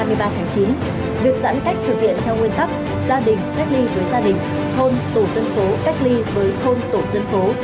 trong dịp giãn cách thực hiện theo nguyên tắc gia đình cách ly với gia đình thôn tổ dân phố cách ly với thôn tổ dân phố